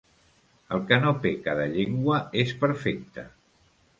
El que no peca de llengua és perfecte.